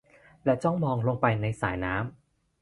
และจ้องมองลงไปในสายน้ำ